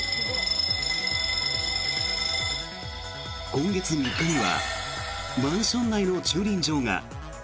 今月３日にはマンション内の駐輪場が。